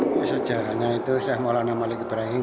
masjid masjid yang diperkenalkan oleh sheikh maulana malik ibrahim